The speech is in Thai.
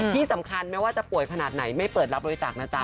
ที่สำคัญไม่ว่าจะป่วยขนาดไหนไม่เปิดรับบริจาคนะจ๊